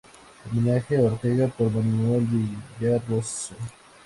Homenaje a Ortega", por Manuel Villar Raso.